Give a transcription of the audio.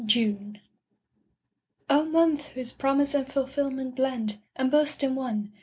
June O month whose promise and fulfilment blend, And burst in one!